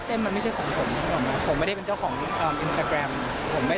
แต่พีชพัชรายืนยันแน่นอนว่าเอาเรื่องจะเงียบไป